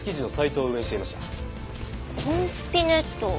「コンスピネット」？